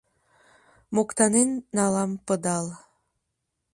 Моктанен налам пыдал.